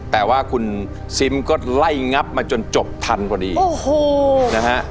แต่ว่าคุณซิมก็ไล่งับมาจนจบทันพอดีโอ้โหนะฮะ